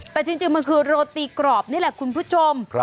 แต่จริงมันคือโรตีกรอบนี่แหละคุณผู้ชม